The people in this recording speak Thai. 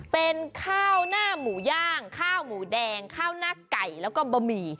เป็นข้าวหน้าหมูย่างข้าวหมูแดงข้าวหน้าไก่แล้วก็บะหมี่